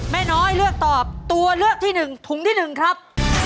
แม่น้อยเลือกตอบตัวเลือกที่๑ถุงที่๑ครับ